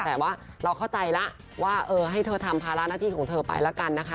แต่ว่าเราเข้าใจแล้วว่าเออให้เธอทำภาระหน้าที่ของเธอไปแล้วกันนะคะ